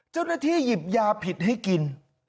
เจ้าหน้าที่หยิบยาผิดให้กิน